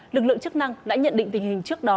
lực lượng chức năng đã nhận định tình hình trước đó